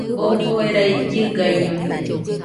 Jofo jerai llɨgaiñote